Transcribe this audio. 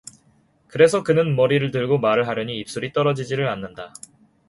그래서 그는 머리를 들고 말을 하려니 입술이 떨어지지를 않는다.